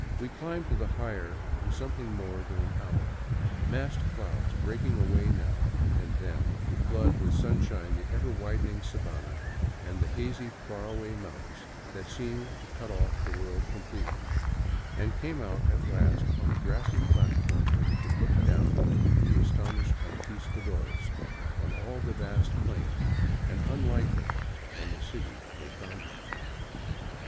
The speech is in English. We climbed to the higher in something more than an hour, massed clouds breaking away now and then to flood with sunshine the ever widening sabana and the hazy, far away mountains that seemed to cut oflf the world completely, and came out at last on a grassy platform where we could look down, like the astonished Conquistadores, on all the vast plain, and, unlike them, on the city they founded.